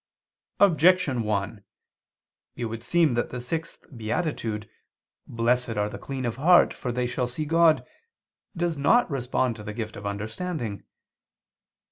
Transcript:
Objection 1: It would seem that the sixth beatitude, "Blessed are the clean of heart, for they shall see God," does not respond to the gift of understanding.